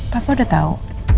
papa udah tau